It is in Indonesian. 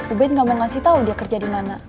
ubed gak mau kasih tahu dia kerja di mana